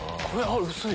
薄い。